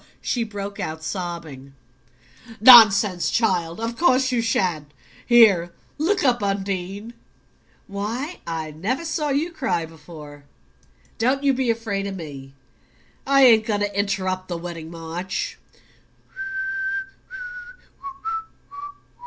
she broke out, sobbing. "Nonsense, child! Of course you shan't. Here, look up. Undine why, I never saw you cry before. Don't you be afraid of me I ain't going to interrupt the wedding march."